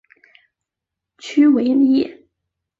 屈维耶。